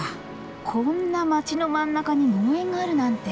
こんな街の真ん中に農園があるなんて